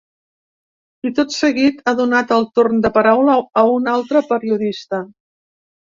I tot seguit ha donat el torn de paraula a un altre periodista.